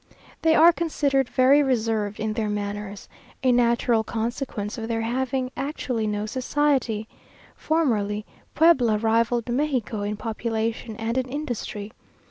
They are considered very reserved in their manners a natural consequence of their having actually no society. Formerly, Puebla rivalled Mexico in population and in industry.